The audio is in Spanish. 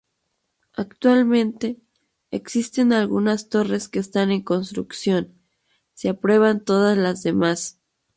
Actualmente, existen algunas torres que están en construcción, se aprueban todas las demás.